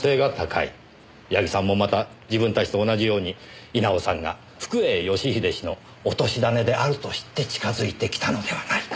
矢木さんもまた自分たちと同じように稲尾さんが福栄義英氏のおとしだねであると知って近づいてきたのではないか？